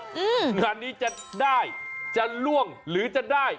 อืมงานนี้จะได้จะล่วงหรือจะได้